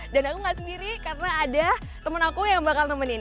dan aku gak sendiri karena ada temen aku yang bakal nemenin